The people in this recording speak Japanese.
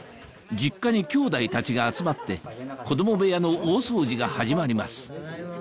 実家にきょうだいたちが集まって子供部屋の大掃除が始まります